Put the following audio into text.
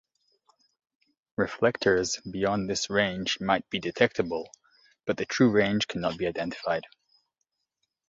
Reflectors beyond this range might be detectable, but the true range cannot be identified.